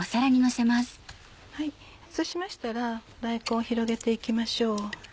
そうしましたら大根を広げて行きましょう。